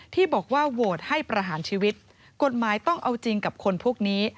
ที่บอกว่าโหวตให้ประหารชีวิตกฎหมายต้องเอาจริงกับคนพวกนี้